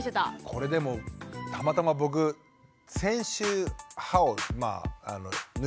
これでもたまたま僕先週歯を抜いたんですけど。